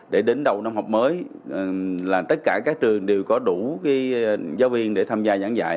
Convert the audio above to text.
để đến đầu năm học mới là tất cả các trường đều có đủ giáo viên để tham gia giảng dạy